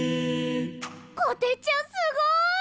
こてっちゃんすごい！